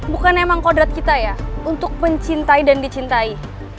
bukan emang kodrat kita ya untuk mencintai dan dicintai